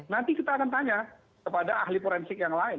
nanti kita akan tanya kepada ahli forensik yang lain